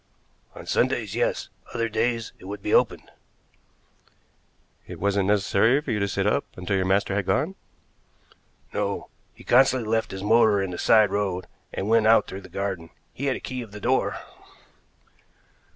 "On Sundays, yes. Other days it would be opened." "It wasn't necessary for you to sit up until your master had gone?" "No. He constantly left his motor in the side road and went out through the garden. He had a key of the door."